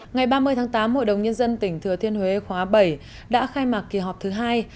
ngày ba mươi tháng tám hội đồng nhân dân tỉnh thừa thiên huế khóa bảy đã khai mạc kỳ họp thứ hai